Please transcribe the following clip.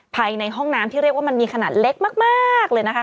ภายในห้องน้ำที่เรียกว่ามันมีขนาดเล็กมากเลยนะคะ